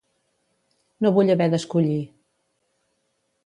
No vull haver d'escollir.